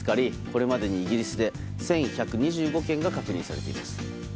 これまでにイギリスで１１２５件が確認されています。